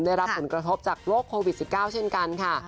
ได้รับผลกระทบจากโรคโควิด๑๙เช่นกันค่ะ